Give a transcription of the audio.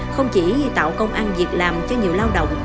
không chỉ tạo công ăn việc làm cho nhiều lao động